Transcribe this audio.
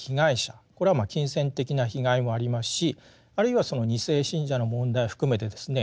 これは金銭的な被害もありますしあるいはその２世信者の問題含めてですね